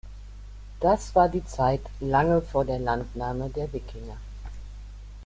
Das war die Zeit lange vor der Landnahme der Wikinger.